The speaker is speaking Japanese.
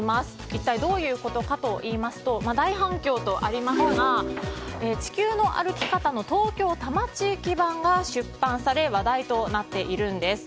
一体どういうことかといいますと大反響とありますが「地球の歩き方」の東京多摩地域版が出版され話題となっているんです。